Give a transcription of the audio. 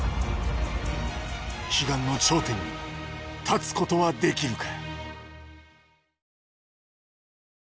悲願の頂点に立つことはできるか。